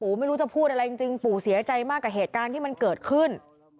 ไม่รู้จะพูดอะไรจริงปู่เสียใจมากกับเหตุการณ์ที่มันเกิดขึ้น